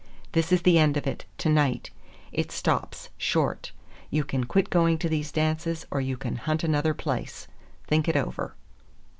This is the end of it, to night. It stops, short. You can quit going to these dances, or you can hunt another place. Think it over."